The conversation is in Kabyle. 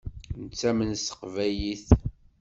Nettamen s teqbaylit.